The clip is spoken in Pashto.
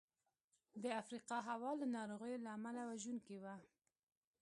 د افریقا هوا له ناروغیو له امله وژونکې وه.